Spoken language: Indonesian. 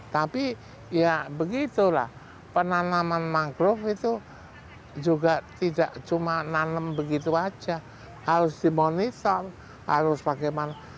tapi ya begitulah penanaman mangrove itu juga tidak cuma nanam begitu saja harus dimonitor harus bagaimana